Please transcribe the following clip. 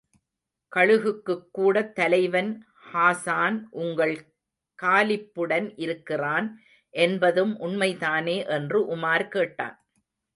கழுகுக்கூட்டுத் தலைவன் ஹாஸான் உங்கள் காலிப்புடன் இருக்கிறான் என்பதும் உண்மைதானே! என்று உமார் கேட்டான்.